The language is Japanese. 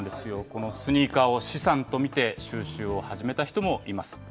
このスニーカーを資産と見て、収集を始めた人もいます。